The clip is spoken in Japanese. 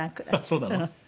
そうなの？